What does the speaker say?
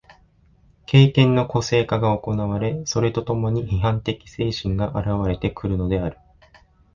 経験の個性化が行われ、それと共に批判的精神が現われてくるのである。